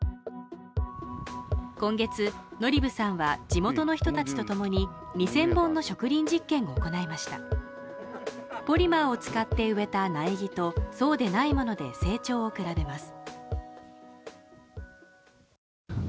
今月ノリブさんは地元の人たちと共に２０００本の植林実験を行いましたポリマーを使って植えた苗木とそうでないもので成長を比べます